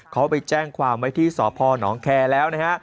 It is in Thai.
เขาไปแจ้งความไว้ที่สพนแคร์แล้วนะฮะ